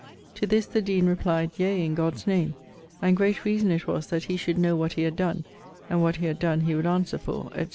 To this the deane replied, 'Yea, in God's name; and great reason it was that he should know what he had done, and what he had donne he would answer for,' etc.